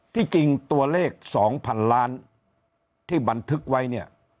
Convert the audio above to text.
ที่จริงตัวเลข๒๐๐๐ล้านที่บันทึกไว้เนี่ย